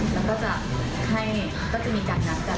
แล้วก็จะมีการนัดการ